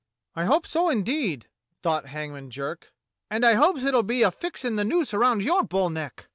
"I hope so indeed," thought Hangman Jerk, "and I hopes it'll be a fixing the noose around your bull neck."